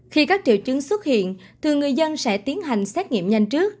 khi các triệu chứng xuất hiện thì người dân sẽ tiến hành xét nghiệm nhanh trước